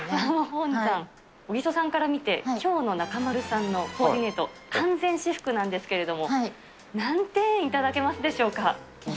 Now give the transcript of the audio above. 小木曽さんから見てきょうの中丸さんのコーディネート、完全私服なんですけど、何点頂けますでしょうか。